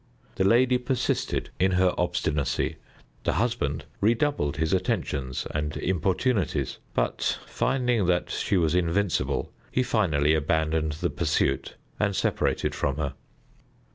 The lady persisted in her obstinacy; the husband redoubled his attentions and importunities, but, finding that she was invincible, he finally abandoned the pursuit, and separated from her.